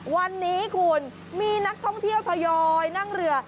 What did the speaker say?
วันนี้คุณมีนักท่องเที่ยวทยอยนั่งเรือ